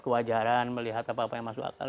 kewajaran melihat apa apa yang masuk akal